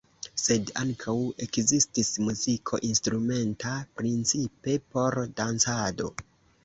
Sed ankaŭ ekzistis muziko instrumenta, principe por dancado.